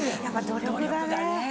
努力だね。